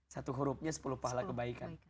satu hurufnya sepuluh pahala kebaikan